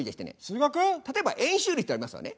例えば円周率ってありますわね。